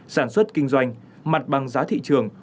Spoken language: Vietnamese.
sản xuất kinh doanh mặt bằng giá thị trường